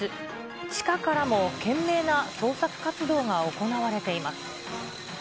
地下からも懸命な捜索活動が行われています。